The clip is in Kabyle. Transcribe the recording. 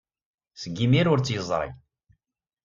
Seg yimir ur tt-yeẓri.